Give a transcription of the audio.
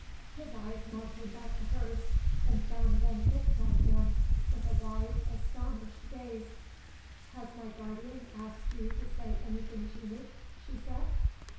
His eyes now came back to hers and found them fixed on him with a wide astonished gaze. "Has my guardian asked you to say anything to me?" she said.